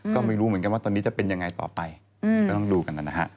ก็ไม่รู้เหมือนกันว่าตอนนี้จะเป็นยังไงต่อไปก็ต้องดูกันนะฮะ